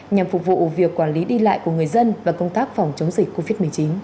nhằm phục vụ việc quản lý đi lại của người dân và công tác phòng chống dịch covid một mươi chín